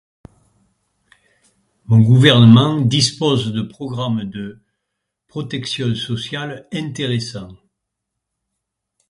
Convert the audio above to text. Mon gouvernement dispose de programmes de protection sociale intéressants.